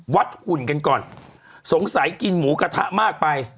หุ่นกันก่อนสงสัยกินหมูกระทะมากไป